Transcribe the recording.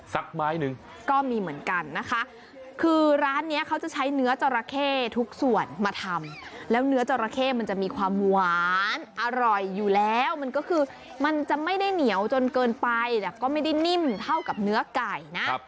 สักไม้หนึ่งก็มีเหมือนกันนะคะคือร้านนี้เขาจะใช้เนื้อจราเข้ทุกส่วนมาทำแล้วเนื้อจราเข้มันจะมีความหวานอร่อยอยู่แล้วมันก็คือมันจะไม่ได้เหนียวจนเกินไปแต่ก็ไม่ได้นิ่มเท่ากับเนื้อไก่นะ